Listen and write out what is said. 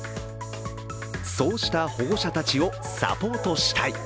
そうした保護者たちをサポートしたい。